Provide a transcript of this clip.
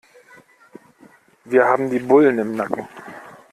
Wir haben die Bullen im Nacken.